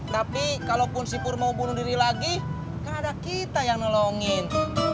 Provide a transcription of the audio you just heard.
tapi kalau si pur mau bunuh diri lagi kan ada kita yang nolongin